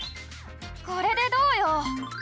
これでどうよ！